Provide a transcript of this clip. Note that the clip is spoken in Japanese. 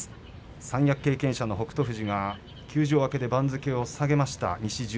三役経験者の北勝富士休場明けで番付を下げました。